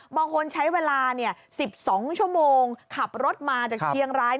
บางคนใช้เวลา๑๒ชั่วโมงขับรถมาจากเชียงราย